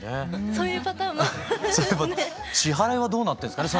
そういえば支払いはどうなってるんですかね？